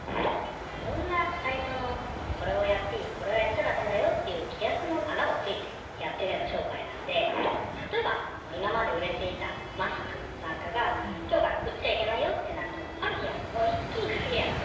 いろんなサイトのこれをやっていいこれはやっちゃ駄目だよっていう規約の穴をついてやってるような商売なんで例えば今まで売れていたマスクなんかが今日から売っちゃいけないよってなるとある日もう一気に稼ぎがなくなっちゃう。